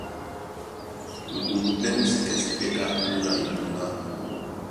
Mudumbu pɛ́ mú sí kasi pɛ́ ɗá ónyólá ebuŋgá.